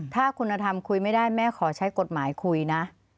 ถ้าคุณธรรมคุยไม่ได้แม่ขอใช้กฎหมายคุยนะ